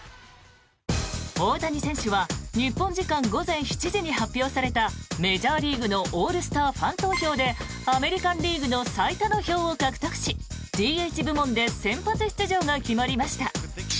大谷選手は日本時間午前７時に発表されたメジャーリーグのオールスターファン投票でアメリカン・リーグの最多の票を獲得しＤＨ部門で先発出場が決まりました。